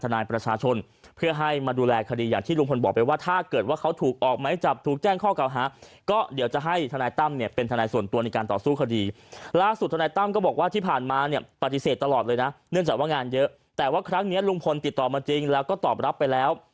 เนื่องจากว่างานเยอะแต่ว่าครั้งนี้ลุงพลติดต่อมาจริงแล้วก็ตอบรับไปแล้ว